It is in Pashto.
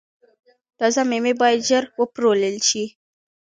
تازه میوې باید ژر وپلورل شي.